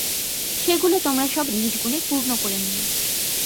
সেগুলো সব তোমরা নিজগুণে পূর্ণ করে নিও।